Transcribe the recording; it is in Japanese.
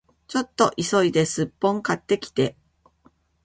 ちょっと急いでスッポン買ってきて